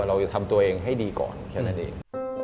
เราจะทำตัวเองให้ดีก่อนแค่นั้นเอง